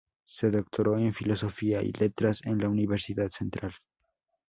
Se doctoró en Filosofía y Letras en la Universidad central.